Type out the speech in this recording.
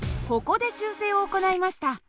ここで修正を行いました。